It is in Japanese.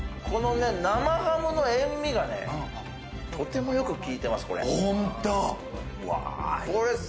この生ハムの塩味がね、とてもよく効いています、これ。